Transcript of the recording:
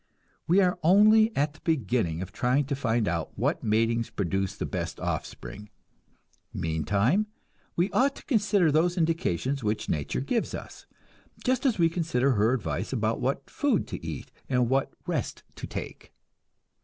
We are only at the beginning of trying to find out what matings produce the best offspring. Meantime, we ought to consider those indications which nature gives us, just as we consider her advice about what food to eat and what rest to take.